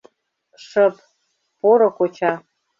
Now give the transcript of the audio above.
Шып, поро коча.